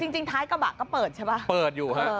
จริงท้ายกระบะก็เปิดใช่ป่ะเปิดอยู่ฮะ